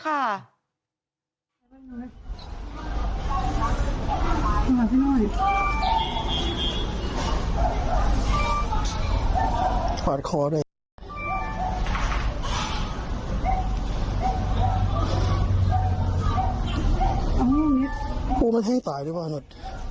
กลับมาให้ตายด้วย